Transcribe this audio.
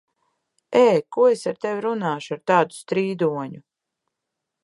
Ē! Ko es ar tevi runāšu, ar tādu strīdoņu?